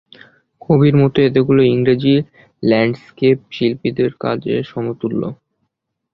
কবির মতে এগুলো ইংরেজ ল্যান্ডস্কেপ শিল্পীদের কাজের সমতুল্য।